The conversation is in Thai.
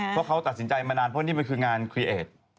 เพราะเขาตัดสินใจมานานเพราะนี่มันคืองานคลีเอท